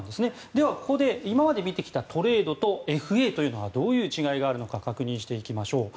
では、ここで今まで見てきたトレードとＦＡというのはどういう違いがあるのか確認していきましょう。